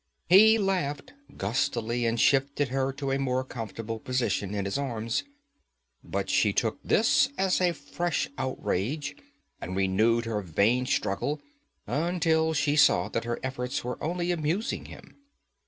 He laughed gustily and shifted her to a more comfortable position in his arms. But she took this as a fresh outrage, and renewed her vain struggle, until she saw that her efforts were only amusing him.